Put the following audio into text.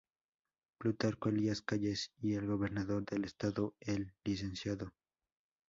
Plutarco Elías Calles y el Gobernador del estado el Lic.